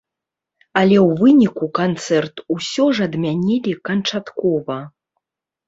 Але ў выніку канцэрт усё ж адмянілі канчаткова.